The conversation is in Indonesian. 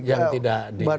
yang tidak diinginkan